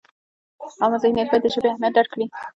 عامه ذهنیت باید د ژبې اهمیت درک کړي.